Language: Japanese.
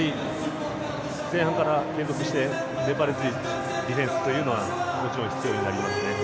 前半から連続して粘り強いディフェンスはもちろん必要になりますね。